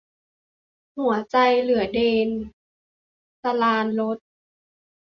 หัวใจเหลือเดน - สราญรส